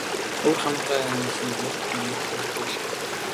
Өвөрхангай аймгийн урд Ноён хэмээх уул бий.